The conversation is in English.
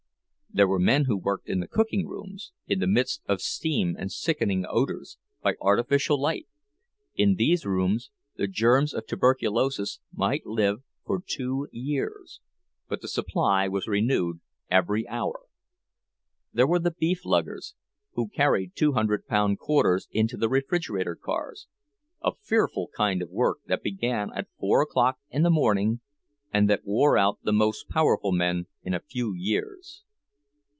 There were men who worked in the cooking rooms, in the midst of steam and sickening odors, by artificial light; in these rooms the germs of tuberculosis might live for two years, but the supply was renewed every hour. There were the beef luggers, who carried two hundred pound quarters into the refrigerator cars; a fearful kind of work, that began at four o'clock in the morning, and that wore out the most powerful men in a few years.